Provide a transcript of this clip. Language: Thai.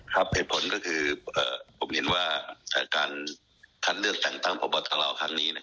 เห็นผลกลุ่มนิดนึงว่าทางเรือดแต่งตั้งพบทครั้งนี้